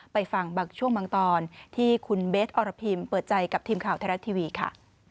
ไปฟังบางช่วงบางตอนที่คุณเบสอรพิมเปิดใจกับทีมข่าวไทยรัฐทีวีค่ะ